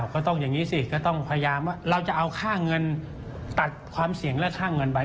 ก็ต้องอย่างนี้สิก็ต้องพยายามว่าเราจะเอาค่าเงินตัดความเสี่ยงและค่าเงินไป